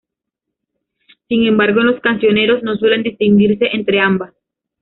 Sin embargo, en los cancioneros no suele distinguirse entre ambas.